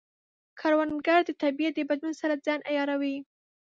کروندګر د طبیعت د بدلون سره ځان عیاروي